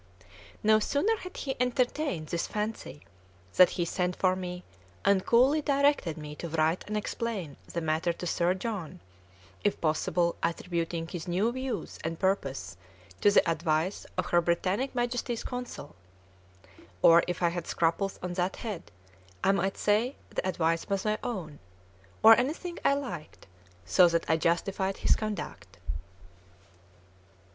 No sooner had he entertained this fancy than he sent for me, and coolly directed me to write and explain the matter to Sir John, if possible attributing his new views and purpose to the advice of her Britannic Majesty's Consul; or, if I had scruples on that head, I might say the advice was my own, or "anything I liked," so that I justified his conduct.